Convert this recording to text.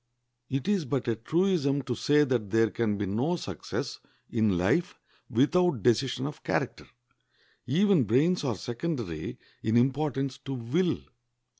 It is but a truism to say that there can be no success in life without decision of character. Even brains are secondary in importance to will.